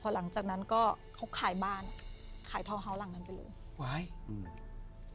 หลังจากนั้นก็เขาขายบ้านขายทาวนเฮาส์หลังนั้นไปเลยว้ายอืม